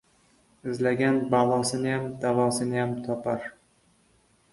• Izlagan balosiniyam, davosiniyam topar.